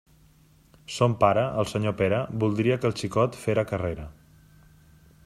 Son pare, el senyor Pere, voldria que el xicot «fera carrera».